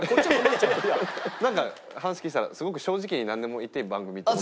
なんか話聞いてたらすごく正直になんでも言っていい番組と。